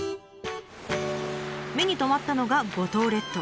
目に留まったのが五島列島。